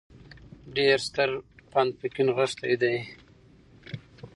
ډېر ستر پند په کې نغښتی دی